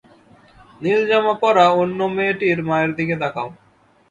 নীল জামা পড়া অন্য মেয়েটির মায়ের দিকে তাকাও।